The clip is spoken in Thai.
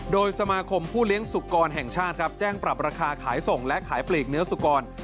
โดยสมาคมผู้เลี้ยงสุกรแห่งชาติครับแจ้งปรับราคาขายส่งและขายปลีกเนื้อสุกร